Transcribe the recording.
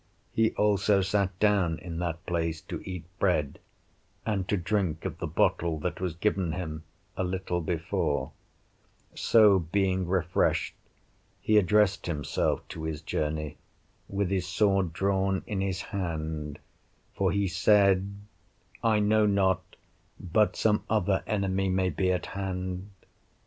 He also sat down in that place to eat bread, and to drink of the bottle that was given him a little before; so being refreshed, he addressed himself to his journey, with his sword drawn in his hand; for he said, I know not but some other enemy may be at hand.